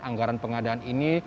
anggaran pengadaan ini